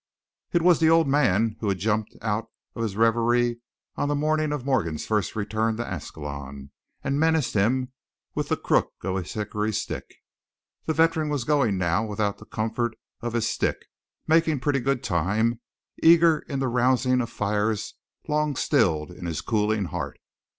It was the old man who had jumped out of his reverie on the morning of Morgan's first return to Ascalon, and menaced him with the crook of his hickory stick. The veteran was going now without the comfort of his stick, making pretty good time, eager in the rousing of fires long stilled in his cooling heart.